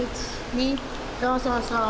そうそうそう。